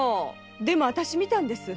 でもあたし見たんです！